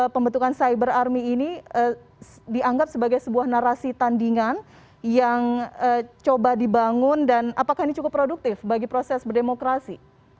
pembentukan cyber army ini dianggap sebagai sebuah narasi tandingan yang coba dibangun dan apakah ini cukup produktif bagi proses berdemokrasi